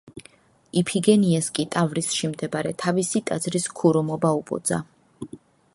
იფიგენიას კი ტავრისში მდებარე თავისი ტაძრის ქურუმობა უბოძა.